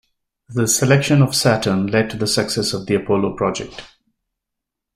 The selection of Saturn led to the success of the Apollo project.